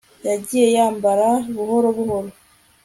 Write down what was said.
Yagiye yambara buhoro buhoro